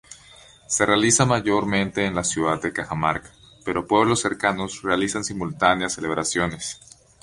Se realiza mayormente en la Ciudad de Cajamarca, pero pueblos cercanos realizan simultáneas celebraciones.